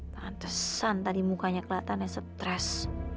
pantesan tadi mukanya kelihatannya stres